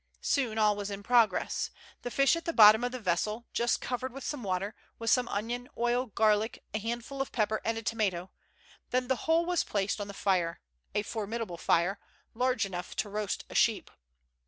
Soon all was in progress: the fish at the bottom of the vessel, just covered with some water, with some onion, oil, garlic, a handful of pepper, and a tomato; then the whole was placed on the fire, a formidable fire, large enough to roast a sheep.